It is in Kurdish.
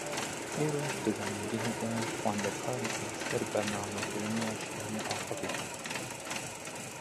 Îroj di Zanîngehê de xwendekarek li ser bernamekirina jiyanê axivî.